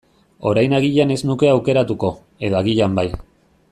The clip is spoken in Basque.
Orain agian ez nuke aukeratuko, edo agian bai.